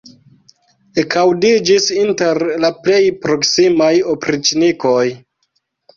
ekaŭdiĝis inter la plej proksimaj opriĉnikoj.